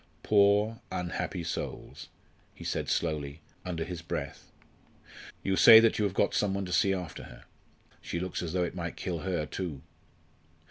"Poor unhappy souls," he said slowly, under his breath. "You say that you have got some one to see after her. She looks as though it might kill her, too."